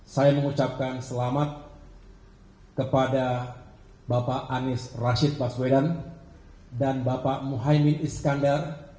saya mengucapkan selamat kepada bapak anies rashid baswedan dan bapak muhaymin iskandar